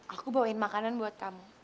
aku bawain makanan buat kamu